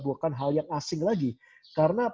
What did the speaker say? bukan hal yang asing lagi karena